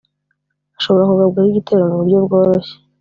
ashobora kugabwaho igitero mu buryo bworoshye